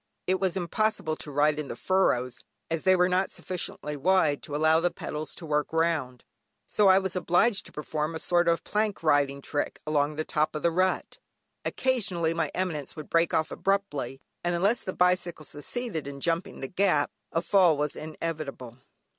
It was impossible to ride in the furrows, as they were not sufficiently wide to allow the pedals to work round, so I was obliged to perform a sort of plank riding trick along the top of the rut. Occasionally, my eminence would break off abruptly, and unless the bicycle succeeded in jumping the gap a fall was inevitable.